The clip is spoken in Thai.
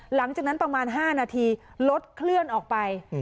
หลังจากนั้นประมาณ๕นาทีรถเคลื่อนออกไป